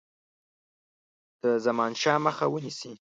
د زمانشاه مخه ونیسي.